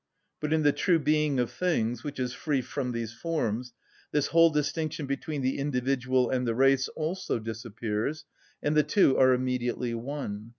But in the true being of things, which is free from these forms, this whole distinction between the individual and the race also disappears, and the two are immediately one.